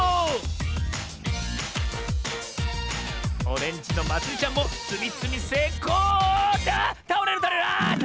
オレンジのまつりちゃんもつみつみせいこうあっ